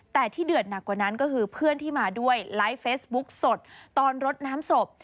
แต่ที่เดือดหนักกว่านั้นก็คือเพื่อนที่มาด้วยไลฟ์เฟซบุ๊กสดตอนรดน้ำศพ